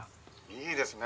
「いいですね